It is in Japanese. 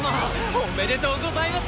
おめでとうございます。